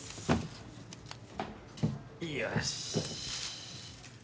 よし。